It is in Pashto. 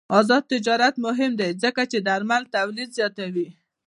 آزاد تجارت مهم دی ځکه چې درمل تولید زیاتوي.